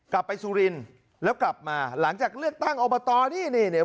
ไปสุรินทร์แล้วกลับมาหลังจากเลือกตั้งอบตนี่นี่เนี่ย